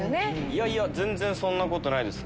いやいや全然そんなことないです。